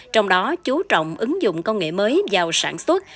trong đó chú trọng ứng dụng công nghệ mới vào sản xuất